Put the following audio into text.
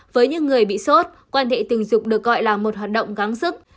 với những người bị sốt quan hệ tình dục được gọi là một hoạt động gắn sức